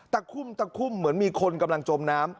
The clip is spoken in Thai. คุ่มตะคุ่มเหมือนมีคนกำลังจมน้ำ